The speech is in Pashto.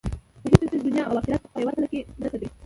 په هېڅ وجه دنیا او آخرت په یوه تله کې نه تلي.